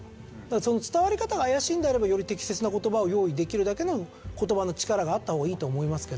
その伝わり方が怪しいのであればより適切な言葉を用意できるだけの言葉の力があった方がいいと思いますけど。